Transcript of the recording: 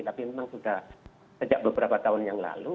tapi memang sudah sejak beberapa tahun yang lalu